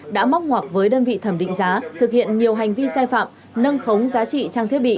đã móc ngoặc với đơn vị thẩm định giá thực hiện nhiều hành vi sai phạm nâng khống giá trị trang thiết bị